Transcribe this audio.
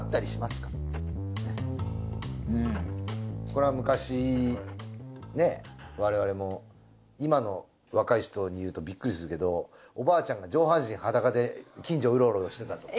これは昔ね我々も今の若い人に言うとビックリするけどおばあちゃんが上半身裸で近所ウロウロしてたとか。